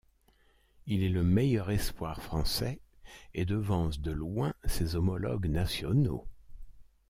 Il est le meilleur espoir français et devance de loin ses homologues nationaux.